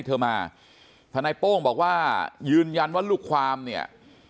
เธอมาทนายโป้งบอกว่ายืนยันว่าลูกความเนี่ย